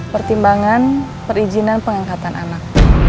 pertimbangan perizinan pengangkatan anak